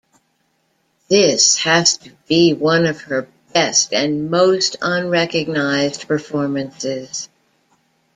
This has to be one of her best and most unrecognised performances.